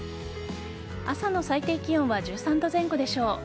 朝の最低気温は１３度前後でしょう。